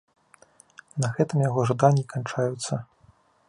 На гэтым яго жаданні і канчаюцца.